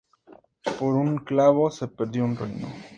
Por un clavo, se perdió un reino